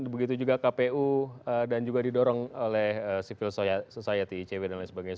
begitu juga kpu dan juga didorong oleh sifil soya ticb dan lain sebagainya